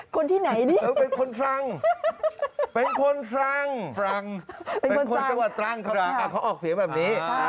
คนที่ไหนเนี่ยเป็นคนฟังเป็นคนฟังฟังเป็นคนจังหวัดตรังเขาออกเสียงแบบนี้